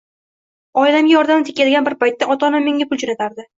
Oilamga yordamim tegadigan bir paytda ota-onam menga pul jo’natardi.